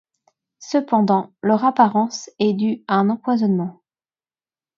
Cependant, leur apparence est due à un empoisonnement.